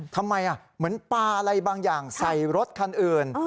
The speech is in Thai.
ทำไมเหมือนปลาอะไรบางอย่างใส่รถคันอื่น